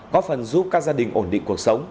góp phần giúp các gia đình ổn định cuộc sống